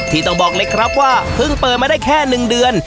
ต้องบอกเลยครับว่าเพิ่งเปิดมาได้แค่๑เดือน